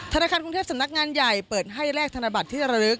ธนาคารกรุงเทพสำนักงานใหญ่เปิดให้แลกธนบัตรที่ระลึก